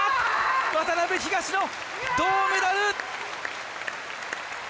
渡辺・東野、銅メダル！